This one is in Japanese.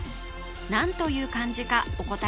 何という漢字かお答え